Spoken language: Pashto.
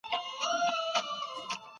لس له لس سره برابر دي.